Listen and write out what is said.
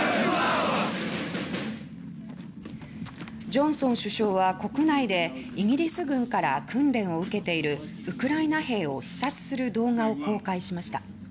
ジョンソン首相は国内でイギリス軍から訓練を受けているウクライナ兵を視察する動画を公開しました。